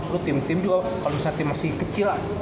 lu tim tim juga kalo misalnya tim masih kecil lah